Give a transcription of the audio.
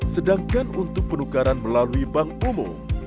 sedangkan untuk penukaran melalui bank umum